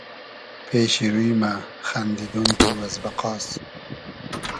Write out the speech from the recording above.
پېشی روی مۂ خئندیدۉن تو از بئقاس